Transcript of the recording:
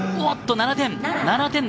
７点。